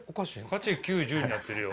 ８、９、１０になってるよ。